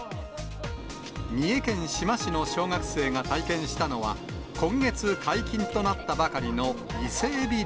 三重県志摩市の小学生が体験したのは、今月解禁となったばかりのイセエビ漁。